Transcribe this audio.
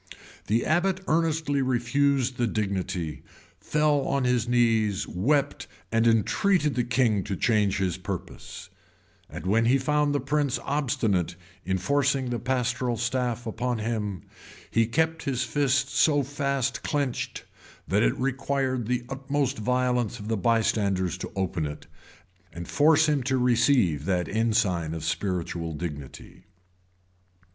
The abbot earnestly refused the dignity, fell on his knees, wept, and entreated the king to change his purpose,[] and when he found the prince obstinate in forcing the pastoral staff upon him, he kept his fist so fast clinched, that it required the utmost violence of the bystanders to open it, and force him to receive that ensign of spiritual dignity.